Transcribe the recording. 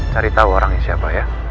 cari tahu orangnya siapa ya